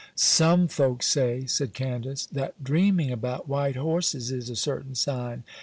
'Some folks say,' said Candace, 'that dreaming about white horses is a certain sign.